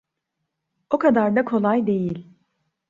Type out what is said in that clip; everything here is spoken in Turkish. O kadar da kolay değil.